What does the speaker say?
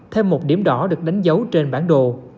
thêm một điểm đỏ được đánh dấu trên bản đồ